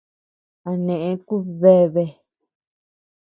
A neʼe kubdeabea.